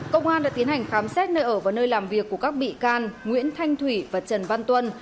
công an đã tiến hành khám xét nơi ở và nơi làm việc của các bị can nguyễn thanh thủy và trần văn tuân